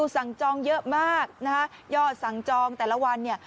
สั่งจองเยอะมากนะฮะยอดสั่งจองแต่ละวันเนี่ย